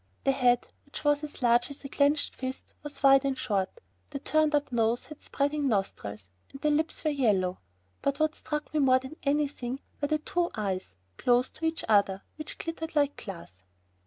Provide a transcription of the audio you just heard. The head which was as large as a clenched fist was wide and short, the turned up nose had spreading nostrils, and the lips were yellow. But what struck me more than anything, were the two eyes, close to each other, which glittered like glass.